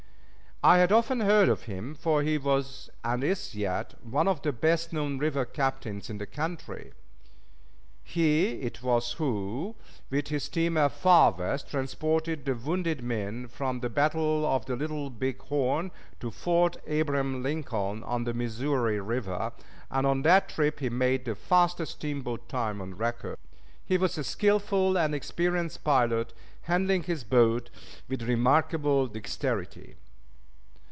I had often heard of him, for he was, and is yet, one of the best known river captains in the country. He it was who, with his steamer Far West, transported the wounded men from the battle of the Little Big Horn to Fort Abraham Lincoln on the Missouri River, and on that trip he made the fastest steamboat time on record. He was a skillful and experienced pilot, handling his boat with remarkable dexterity.